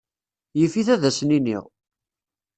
Yif-it ad asen-iniɣ.